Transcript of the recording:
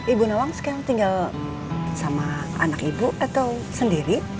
ibu nawang sekarang tinggal sama anak ibu atau sendiri